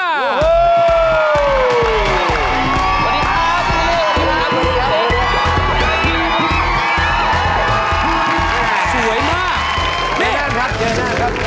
สวัสดีครับสวัสดีครับสวัสดีครับ